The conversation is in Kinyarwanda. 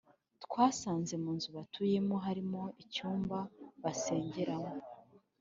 Twasanze munzu batuyemo harimo icyumba basengeramo